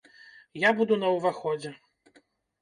Я буду на ўваходзе.